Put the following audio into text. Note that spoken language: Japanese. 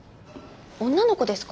女の子ですか？